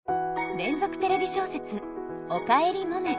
連続テレビ小説「おかえりモネ」。